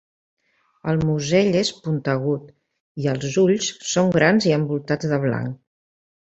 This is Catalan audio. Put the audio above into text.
El musell és puntegut i els ulls són grans i envoltats de blanc.